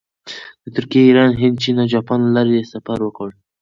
د ترکیې، ایران، هند، چین او جاپان له لارې یې سفر وکړ.